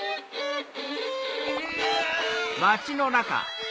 うわ！